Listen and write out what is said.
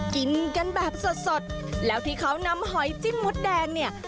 กินกันแบบสดแล้วที่เขานำหอยจิ้มมดแดงเนี่ย